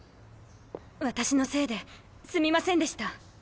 私のせいですみませんでした。